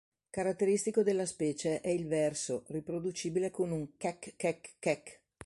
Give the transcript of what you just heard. Caratteristico della specie è il verso, riproducibile con un "kek-kek-kek".